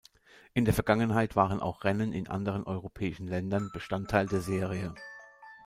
In der Vergangenheit waren auch Rennen in anderen europäischen Ländern Bestandteil der Serie.